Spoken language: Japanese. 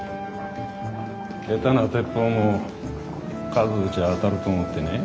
下手な鉄砲も数撃ちゃ当たると思ってね。